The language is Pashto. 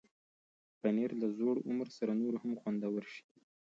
پنېر له زوړ عمر سره نور هم خوندور شي.